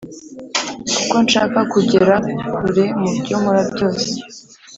kuko nshaka kugera kure mu byo nkora byose,